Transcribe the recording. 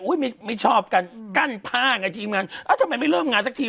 ไม่ไม่ชอบกันกั้นผ้าไงทีมงานเอ้าทำไมไม่เริ่มงานสักที